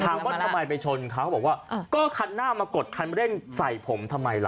ถามว่าทำไมไปชนเขาบอกว่าก็คันหน้ามากดคันเร่งใส่ผมทำไมล่ะ